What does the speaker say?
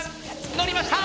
乗りました！